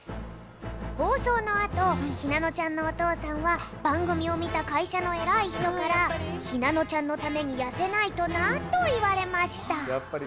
放送のあとひなのちゃんのお父さんはばんぐみをみた会社のエラい人から「ひなのちゃんのためにやせないとな」といわれました。